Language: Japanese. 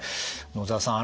野澤さん